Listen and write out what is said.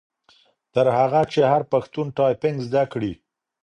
تر هغه چي هر پښتون ټایپنګ زده کړي.